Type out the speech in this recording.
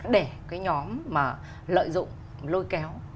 để cái nhóm mà lợi dụng lôi kéo